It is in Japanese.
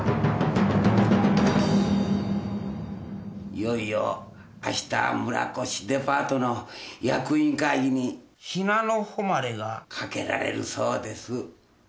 いよいよあした村越デパートの役員会議に「雛乃誉」が掛けられるそうです。